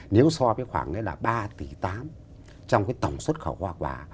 nếu so với khoảng đấy là ba tỷ tám trong cái tổng xuất khẩu hoa quả